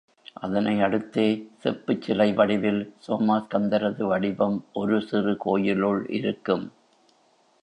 அதனை அடுத்தே செப்புச் சிலை வடிவில் சோமாஸ்கந்தரது வடிவம் ஒரு சிறு கோயிலுள் இருக்கும்.